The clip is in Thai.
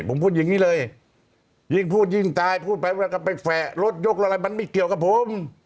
ผมพูดอย่างนี้เลยยิ่งพูดยิ่งตายพูดไปว่าก็ไปแฝะรถยกรถอะไรมันไม่เกี่ยวกับผม